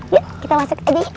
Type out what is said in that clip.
yuk kita masuk aja yuk